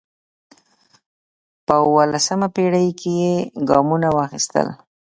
په اوولسمه پېړۍ کې یې ګامونه واخیستل